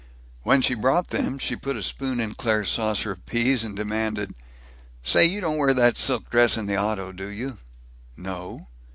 When she brought them, she put a spoon in Claire's saucer of peas, and demanded, "Say, you don't wear that silk dress in the auto, do you?" "No."